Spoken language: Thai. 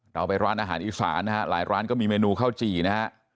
ไปร้านอาหารอีสานนะฮะหลายร้านก็มีเมนูข้าวจี่นะฮะ